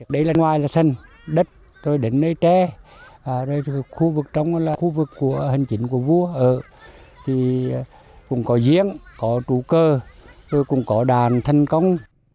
đây là ngoài là sân đất rồi đến nơi tre rồi khu vực trong đó là khu vực của hành trình của vua ở thì cũng có diễn có trú cơ rồi cũng có đàn thân công